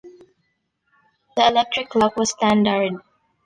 The electric clock was standard.